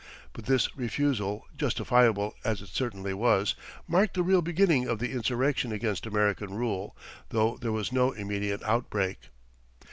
But this refusal, justifiable as it certainly was, marked the real beginning of the insurrection against American rule, though there was no immediate outbreak.